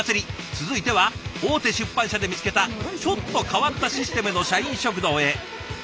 続いては大手出版社で見つけたちょっと変わったシステムの社員食堂へ。